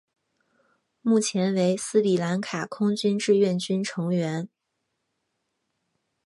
目前为斯里兰卡空军志愿军成员。